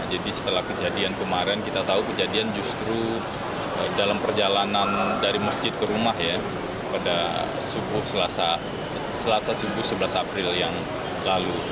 jadi setelah kejadian kemarin kita tahu kejadian justru dalam perjalanan dari masjid ke rumah ya pada subuh selasa selasa subuh sebelas april yang lalu